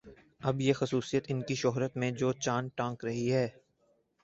اب یہ خصوصیت ان کی شہرت میں جو چاند ٹانک رہی ہے